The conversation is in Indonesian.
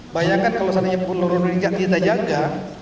bayangkan kalau seandainya pulau rondo tidak kita jaga